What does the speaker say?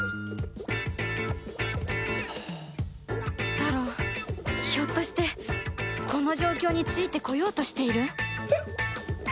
タロウひょっとしてこの状況についてこようとしている？